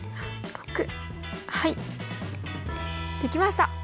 はいできました！